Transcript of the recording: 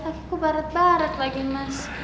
kakiku baret baret lagi mas